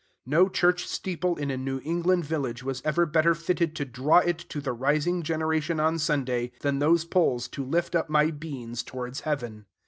No church steeple in a New England village was ever better fitted to draw to it the rising generation on Sunday, than those poles to lift up my beans towards heaven.